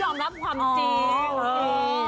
ต้องยอมรับความจริง